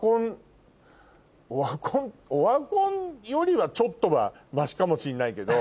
オワコンよりはちょっとはマシかもしんないけど。